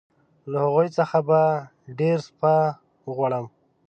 له هغوی څخه به ډېر سپاه وغواړم.